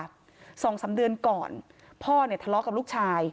สองสามเดือนก่อนพ่อเนี่ยทะเลาะกับลูกชาย